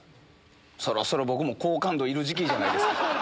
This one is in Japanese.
そろそろ僕も好感度いる時期じゃないですか。